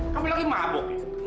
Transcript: kamu lagi mabuk ya